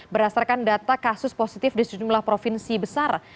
berdasarkan data kasus positif di sejumlah provinsi besar